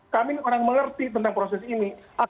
kami orang mengerti tentang proses ini